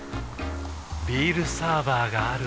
ビールサーバーがある夏。